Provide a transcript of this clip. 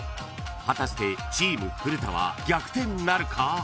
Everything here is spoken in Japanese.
［果たしてチーム古田は逆転なるか？］